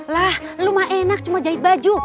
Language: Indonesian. lah lo mah enak cuma jahit baju